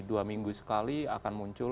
dua minggu sekali akan muncul